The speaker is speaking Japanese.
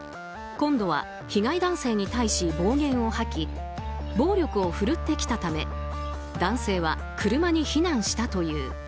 今度は被害男性に対し暴言を吐き暴力をふるってきたため男性は車に避難したという。